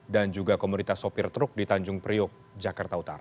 dan juga komunitas sopir truk di tanjung priok jakarta utara